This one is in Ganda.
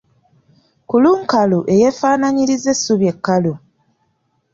Kulunkalu eyeefaanaanyiriza essubi ekkalu.